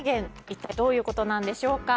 一体どういうことなんでしょうか。